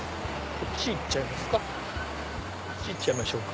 こっち行っちゃいましょうか。